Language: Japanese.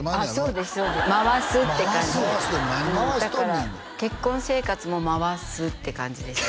そうですそうです回すって感じうんだから結婚生活も回すって感じでした